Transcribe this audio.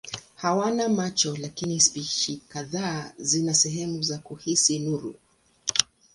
Hawana macho lakini spishi kadhaa zina sehemu za kuhisi nuru.